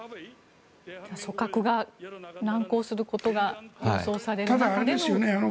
組閣が難航することが予想される中での。